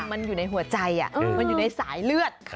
มันอยู่ในหัวใจมันอยู่ในสายเลือด